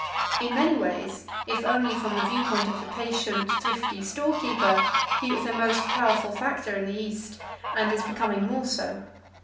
In many ways, if only from the viewpoint of the patient, thrifty store keeper he is a most powerful factor in the East, and is becoming more so.